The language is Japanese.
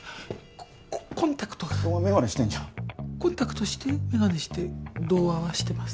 ココンタクトが眼鏡してんじゃんコンタクトして眼鏡して度を合わしてます